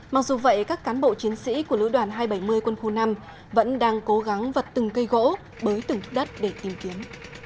mặc dù vậy các cán bộ chiến sĩ của lữ đoàn hai trăm bảy mươi quân khu năm vẫn đang cố gắng vật từng cây gỗ bới từng thúc đất để tìm kiếm